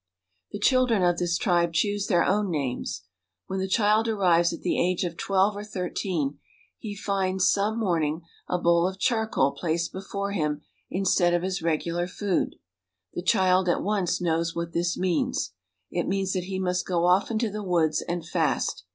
The children of this tribe choose their own names. When the child arrives at the age of twelve or thirteen he finds, some morning, a bowl of charcoal placed before him instead of his regular food. The child knows at once what this means. It means that he must go off into the woods and fast.